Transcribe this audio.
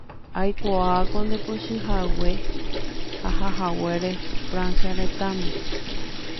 aikuaáko ndepochyhague ahahaguére Francia retãme